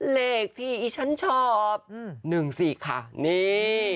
เลขที่อีชันชอบหนึ่งสี่ค่ะนี่